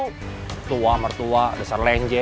mertua mertua dasar lenje